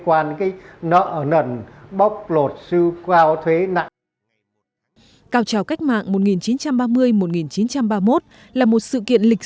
quan cái nợ nần bóc lột rêu cao thuế nặng cao trào cách mạng một nghìn chín trăm ba mươi một nghìn chín trăm ba mươi một là một sự kiện lịch